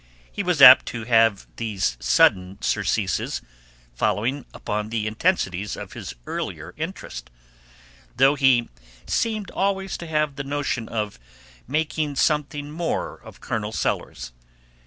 He was apt to have these sudden surceases, following upon the intensities of his earlier interest; though he seemed always to have the notion of making something more of Colonel Sellers.